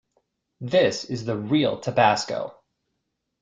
This is the real tabasco.